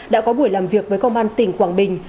đã có buổi làm việc với công an tỉnh quảng bình